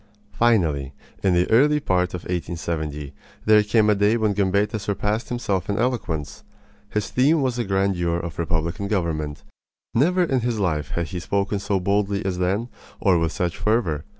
Finally, in the early part of 1870, there came a day when Gambetta surpassed himself in eloquence. His theme was the grandeur of republican government. Never in his life had he spoken so boldly as then, or with such fervor.